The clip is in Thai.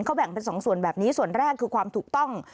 เขาแบ่งเป็นสองส่วนแบบนี้ส่วนแรกคือความถูกต้อง